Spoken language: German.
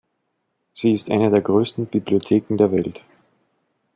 Sie ist eine der größten Bibliotheken der Welt.